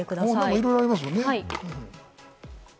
いろいろありますね。